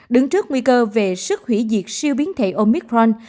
đứng trước nguy cơ về sức hủy diệt siêu biến thể omicron